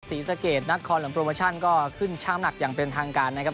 ศรีสะเกดนักคอนหลังโปรโมชั่นก็ขึ้นช่างหนักอย่างเป็นทางการนะครับ